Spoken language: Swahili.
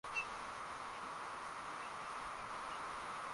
Ni muhimu kutumia rasilimali za fukwe kwa uchumi endelevu